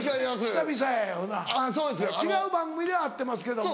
久々やよな違う番組では会ってますけども。